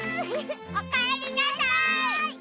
おかえりなさい！